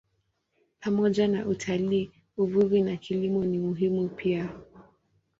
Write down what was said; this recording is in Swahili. Pamoja na utalii, uvuvi na kilimo ni muhimu pia.